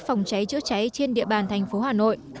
phòng cháy chữa cháy trên địa bàn tp hà nội